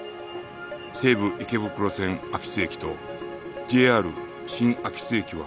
西武池袋線秋津駅と ＪＲ 新秋津駅は徒歩の圏内